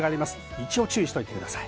一応注意しといてください。